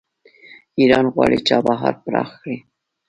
ایران غواړي چابهار پراخ کړي.